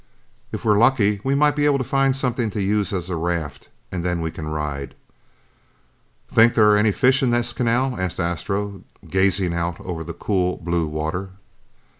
"If we're lucky, we might be able to find something to use as a raft and then we can ride." "Think there are any fish in this canal?" asked Astro, gazing out over the cool blue water.